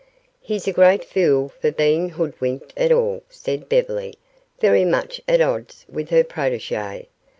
"He's a great fool for being hoodwinked at all," said Beverly, very much at odds with her protege.